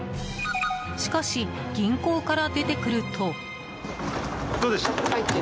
しかし、銀行から出てくると。